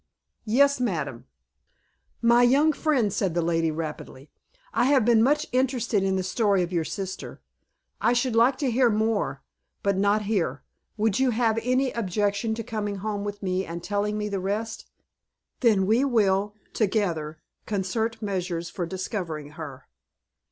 "Yes, madam." "My young friend," said the lady, rapidly, "I have been much interested in the story of your sister. I should like to hear more, but not here. Would you have any objection to coming home with me, and telling me the rest? Then we will, together, concert measures for discovering her."